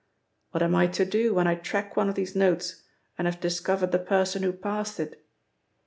What am I to do when I track one of these notes and have discovered the person who passed it?"